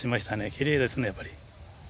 きれいですね、やっぱり。